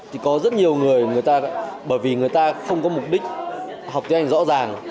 thì có rất nhiều người bởi vì người ta không có mục đích học tiếng anh rõ ràng